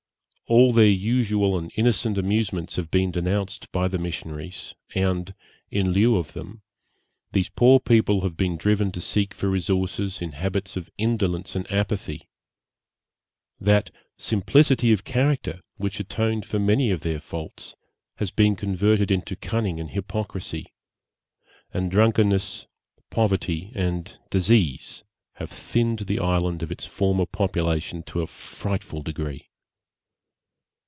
All their usual and innocent amusements have been denounced by the missionaries, and, in lieu of them, these poor people have been driven to seek for resources in habits of indolence and apathy: that simplicity of character, which atoned for many of their faults, has been converted into cunning and hypocrisy; and drunkenness, poverty, and disease have thinned the island of its former population to a frightful degree.